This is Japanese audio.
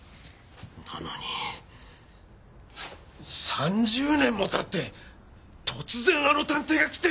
なのに３０年も経って突然あの探偵が来て！